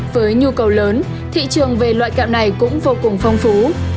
với nhu cầu lớn thị trường về loại kẹo này cũng vô cùng phong phú